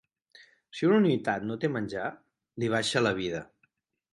Si una unitat no té menjar, li baixa la vida.